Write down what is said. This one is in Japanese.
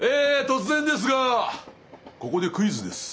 突然ですがここでクイズです。